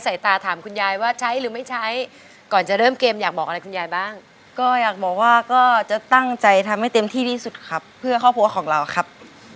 สุภงำเราครับ